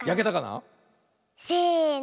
せの。